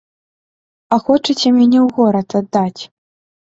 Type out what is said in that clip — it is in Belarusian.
А хочаце мяне ў горад аддаць.